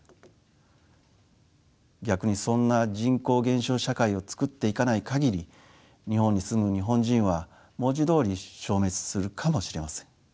逆にそんな人口減少社会をつくっていかない限り日本に住む日本人は文字どおり消滅するかもしれません。